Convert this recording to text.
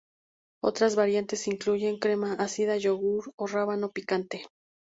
Otras variantes incluyen crema ácida, yogur o rábano picante.